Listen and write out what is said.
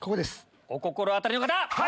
お心当たりの方！